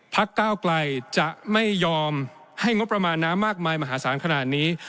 ก้าวไกลจะไม่ยอมให้งบประมาณน้ำมากมายมหาศาลขนาดนี้